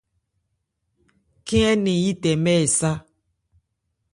Khɛ́n ɛ́ nɛn yí tɛmɛ ɛ sá.